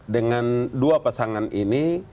dengan dua pasangan ini